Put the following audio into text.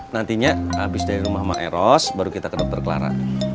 nantinya habis dari rumah mak eros baru kita ke dokter klara